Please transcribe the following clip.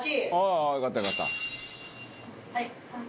はい。